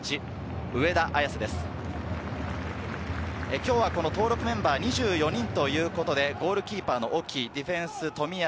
今日はこの登録メンバー２４人ということでゴールキーパーの沖、ディフェンス・冨安。